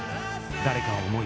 誰かを思い